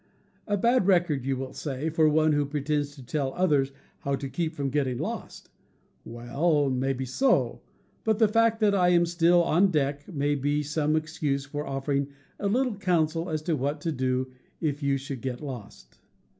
A bad record, you will say, for one who pretends to tell others how to keep from getting lost! Well, maybe so; but the fact that I am still on deck may be some excuse for offering a little counsel as to what to do if you should get lost.